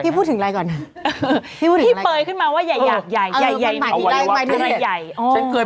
พี่พูดถึงอะไรก่อน